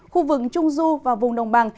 khu vực trung du và vùng đồng bằng